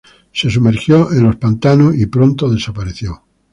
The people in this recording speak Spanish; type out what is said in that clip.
Se sumergió en los pantanos y pronto desapareció.